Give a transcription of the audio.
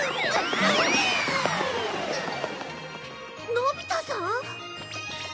のび太さん？